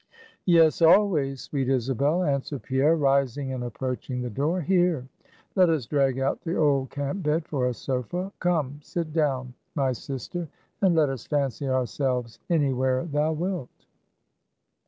"Yes, always, sweet Isabel" answered Pierre, rising and approaching the door; "here: let us drag out the old camp bed for a sofa; come, sit down now, my sister, and let us fancy ourselves anywhere thou wilt."